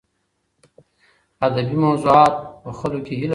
ادبي موضوعات په خلکو کې هیله پیدا کوي.